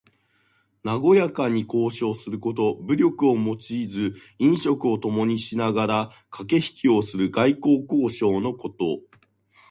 なごやかに交渉すること。武力を用いず飲食をともにしながらかけひきをする外交交渉のこと。